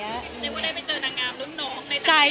นึกว่าได้ไปเจอนางงามรุ่นน้องในเทศ